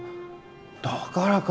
だからか。